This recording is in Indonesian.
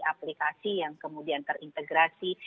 aplikasi yang kemudian terintegrasi